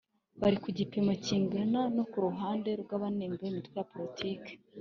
bari ku gipimo kingana na Ku ruhande rw abanenga imitwe ya politiki